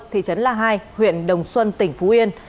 thị trấn la hai huyện đồng xuân tỉnh phú yên